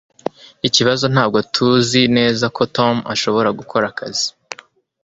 Ikibazo ntabwo tuzi neza ko Tom ashobora gukora akazi